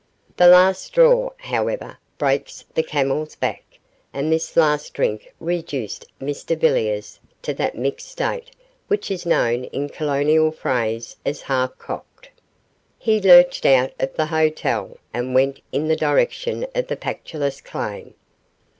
The last straw, however, breaks the camel's back, and this last drink reduced Mr Villiers to that mixed state which is known in colonial phrase as half cocked. He lurched out of the hotel, and went in the direction of the Pactolus claim.